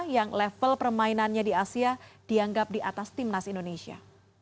yang level permainannya di asia dianggap di atas timnas indonesia